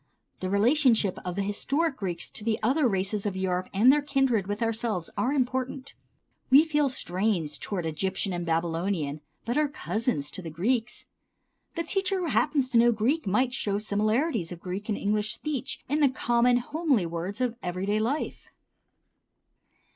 The relationship of the historic Greeks to the other races of Europe and their kindred with ourselves are important. We feel strange toward Egyptian and Babylonian, but are cousins to the Greeks. The teacher who happens to know Greek might show the similarities of Greek and English speech in the common homely words of everyday life.